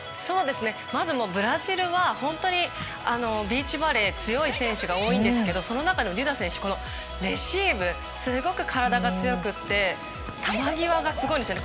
まずブラジルは本当にビーチバレーが強い選手が多いんですけどその中でもデュダ選手レシーブ、すごく体が強くて球際がすごいんですよね。